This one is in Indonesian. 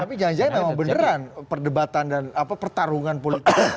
tapi jangan jangan memang beneran perdebatan dan pertarungan politik